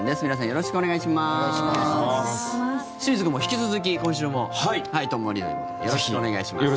よろしくお願いします。